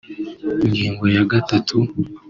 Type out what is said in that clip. Ingingo ya gatatu